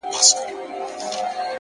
نو په سندرو کي به تا وينمه،